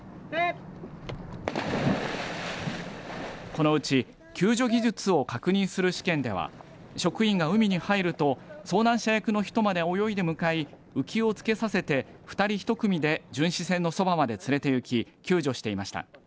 このうち救助技術を確認する試験では職員が海に入ると遭難者役の人まで泳いで向い浮きをつけさせて２人１組で巡視船のそばまで連れて行き救助していました。